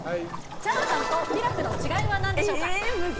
チャーハンとピラフの違いはなんでしょうか？